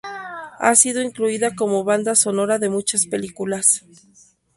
Ha sido incluida como banda sonora de muchas películas.